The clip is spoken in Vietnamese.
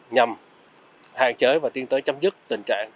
nhằm hạn chế và tiến tới chấm dứt tình trạng